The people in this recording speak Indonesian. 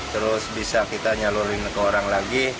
terus bisa kita nyalurin ke orang lagi